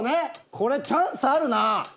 これチャンスあるな。